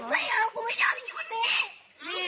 ออกก่อนได้ไหม